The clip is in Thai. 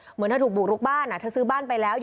เหมือนเธอถูกบุกลุกบ้านเธอซื้อบ้านไปแล้ว